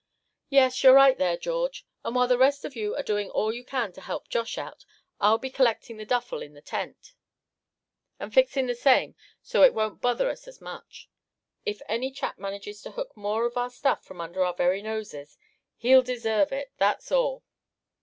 "Yes, you're right there, George; and while the rest of you are doing all you can to help Josh out, I'll be collecting the duffle in the tent, and fixing the same so it won't bother us much. If any chap manages to hook more of our stuff from under our very noses, he'll deserve it, that's all."